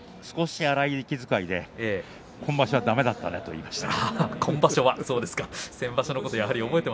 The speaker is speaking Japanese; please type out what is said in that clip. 心は少し荒い息遣いで今場所はだめだったねと言いました。